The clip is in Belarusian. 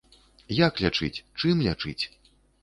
Як лячыць, чым лячыць?